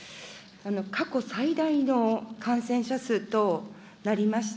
過去最大の感染者数となりました